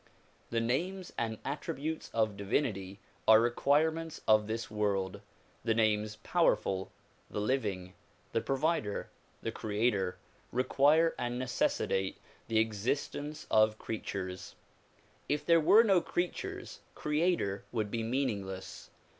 The names and attributes of divinity are requirements of this world. The names "powerful," the "living," the '' provider, '' the '' creator, '' require and necessitate the existence of creatures. If there were no creatures '' creator '' would be mean ingless.